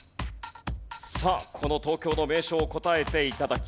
さあこの東京の名所を答えて頂きます。